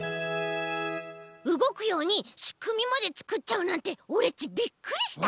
うごくようにしくみまでつくっちゃうなんてオレっちびっくりした！